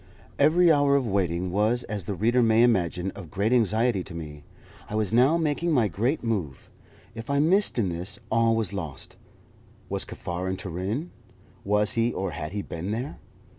Every hour of waiting was, as the reader may imagine, of great anxiety to me. I was now making my great move. If I missed in this, all was lost. Was Kaffar in Turin? Was he or had he been there?